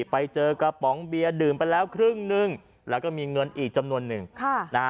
ไปเจอกระป๋องเบียร์ดื่มไปแล้วครึ่งนึงแล้วก็มีเงินอีกจำนวนหนึ่ง